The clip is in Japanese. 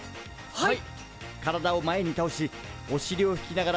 はい。